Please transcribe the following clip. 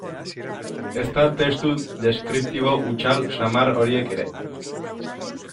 Ezta testu deskriptibo hutsal samar horiek ere.